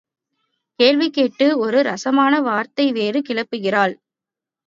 கேள்வி கேட்டு ஒரு ரசமான வாதத்தை வேறு கிளப்புகிறாள்.